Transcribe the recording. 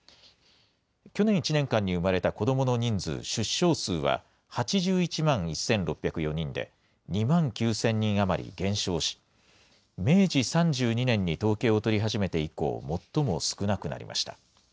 去年１年間に生まれた子どもの人数、出生数は８１万１６０４人で、２万９０００人余り減少し、明治３２年に統計を取り始めて以降、最も少なくなりました。